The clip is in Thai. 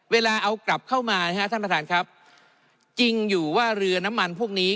เวลาเอากลับเข้ามานะฮะท่านประธานครับจริงอยู่ว่าเรือน้ำมันพวกนี้